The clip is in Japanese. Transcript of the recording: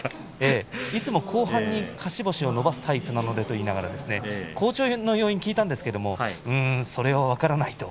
いつも後半に勝ち星を伸ばすタイプなのでと言いながら好調の要因を聞いたんですがうーん、それは分からないと。